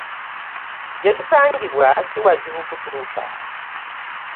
Gye tusangibwa si wazibu kutuuka.